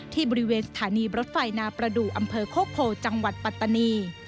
ที่บริเวณสถานีรถไฟนาประดูกอำเภอโคกโพจังหวัดปัตตานี